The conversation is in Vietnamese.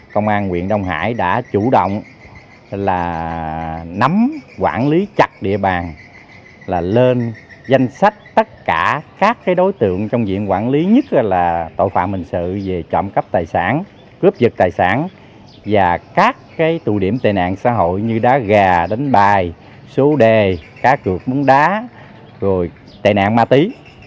công an huyện đông hải đã chủ động nắm quản lý chặt địa bàn lên danh sách tất cả các đối tượng trong diện quản lý nhất là tội phạm bình sự về trọng cấp tài sản cướp dựt tài sản và các tù điểm tệ nạn xã hội như đá gà đánh bài số đề cá cược bún đá tệ nạn ma tí